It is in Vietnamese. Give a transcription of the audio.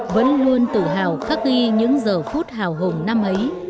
vẫn luôn tự hào khắc ghi những giờ phút hào hùng năm ấy